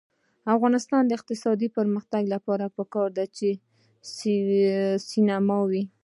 د افغانستان د اقتصادي پرمختګ لپاره پکار ده چې سینما وي.